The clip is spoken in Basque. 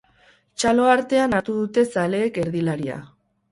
Txalo artean hartu dute zaleek erdilaria.